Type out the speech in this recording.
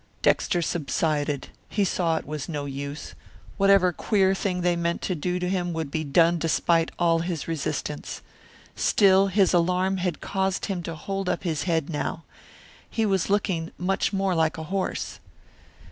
Dexter subsided. He saw it was no use. Whatever queer thing they meant to do to him would be done despite all his resistance. Still his alarm had caused him to hold up his head now. He was looking much more like a horse.